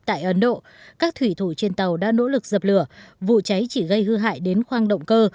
tại ấn độ các thủy thủ trên tàu đã nỗ lực dập lửa vụ cháy chỉ gây hư hại đến khoang động cơ